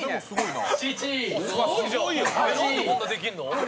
「なんでこんなできるの？」